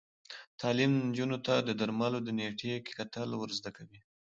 تعلیم نجونو ته د درملو د نیټې کتل ور زده کوي.